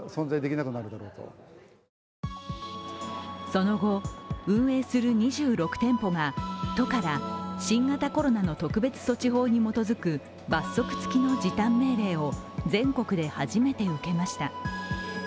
その後、運営する２６店舗が都から新型コロナの特別措置法に基づく罰則付きの時短命令を全国で初めて受けました。